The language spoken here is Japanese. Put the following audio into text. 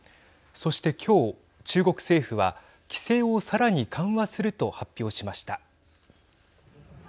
そして今日、中国政府は規制をさらに緩和すると発表しました。